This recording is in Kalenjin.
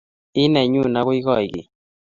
Ii nenyu ako koikeny